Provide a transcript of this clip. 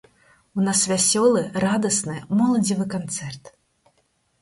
У нас вясёлы, радасны, моладзевы канцэрт.